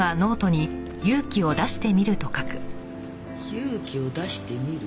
「勇気を出してみる」？